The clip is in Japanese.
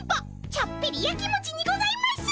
ちょっぴりやきもちにございます！